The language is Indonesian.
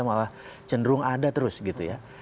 malah cenderung ada terus gitu ya